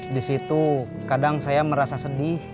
di situ kadang saya merasa sedih